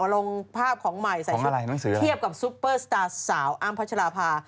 ลงภาพของมัยเขียบกับซุปเปอร์สตาร์สสาวอ้ามพัชรภา